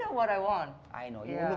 kamu tahu apa yang saya inginkan